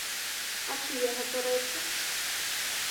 А чые гэта рэчы?